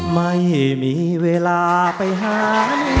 ไม่มีเวลาไปหา